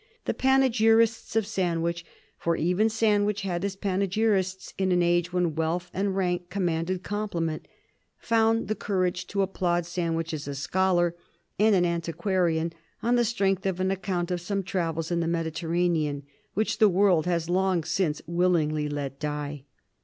The panegyrists of Sandwich for even Sandwich had his panegyrists in an age when wealth and rank commanded compliment found the courage to applaud Sandwich as a scholar and an antiquarian, on the strength of an account of some travels in the Mediterranean, which the world has long since willingly let die.